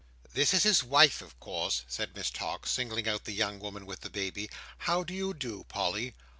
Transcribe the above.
"This is his wife, of course," said Miss Tox, singling out the young woman with the baby. "How do you do, Polly?"